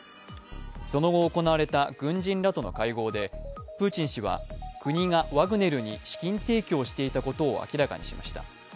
その後行われた軍人らとの会合でプーチン氏は国がワグネルに資金提供していたことを明らかにしました。